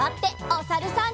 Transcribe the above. おさるさん。